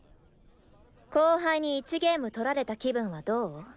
後輩に１ゲーム取られた気分はどう？